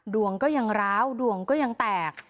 ดวงก็ยังร้าวดวงก็ยังแตก